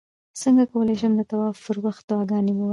څنګه کولی شم د طواف پر وخت دعاګانې ووایم